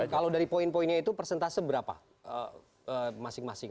kalau dari poin poinnya itu persentase berapa masing masing